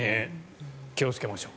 気をつけましょう。